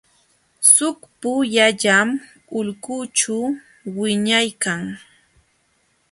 Suk puyallam ulqućhu wiñaykan.